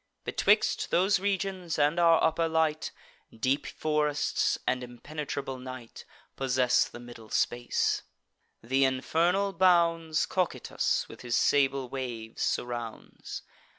Betwixt those regions and our upper light, Deep forests and impenetrable night Possess the middle space: th' infernal bounds Cocytus, with his sable waves, surrounds.